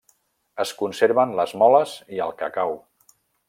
Es conserven les moles i el cacau.